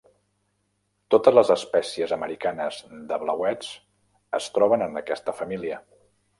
Totes les espècies americanes de blauets es troben en aquesta família.